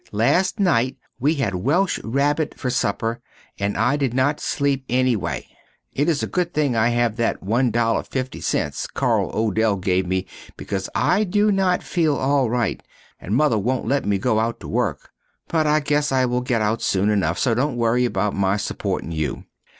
Last nite we had welsh rabit fer super and I did not sleep enny way. It is a good thing I have that $1.50 Carl Odell give me becaus I do not feel al rite and Mother wont let me go out to work, but I guess I will get out soon again so dont worry about my suportin you.